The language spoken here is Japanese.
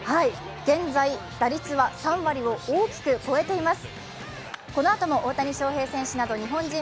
現在、打率は３割を大きく超えています。